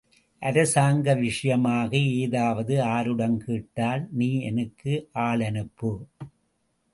அரசாங்க விஷயமாக ஏதாவது ஆருடம் கேட்டால், நீ எனக்கு ஆளனுப்பு!